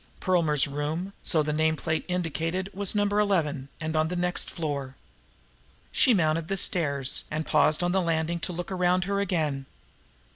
Perlmer's room, so the name plate indicated, was Number Eleven, and on the next floor. She mounted the stairs, and paused on the landing to look around her again.